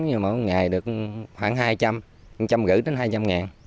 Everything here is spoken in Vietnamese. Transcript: thì mỗi một ngày được khoảng hai trăm linh một trăm năm mươi hai trăm linh ngàn